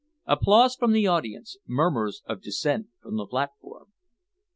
(Applause from the audience, murmurs of dissent from the platform.)